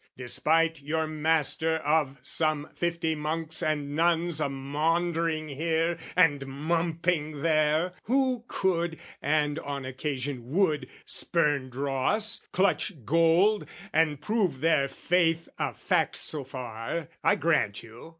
Despite your master of some fifty monks And nuns a maundering here and mumping there, Who could, and on occasion would, spurn dross, Clutch gold, and prove their faith a fact so far, I grant you!